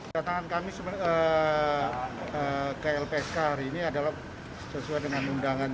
datangan kami ke lpsk hari ini adalah sesuai dengan undangan